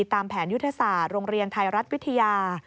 ตามแผนยุทธศาสตร์โรงเรียนไทยรัฐวิทยา